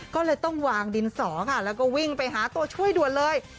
ก็เลยต้องวางดินสอค่ะแล้วก็วิ่งไปหาตัวช่วยด่วนเลย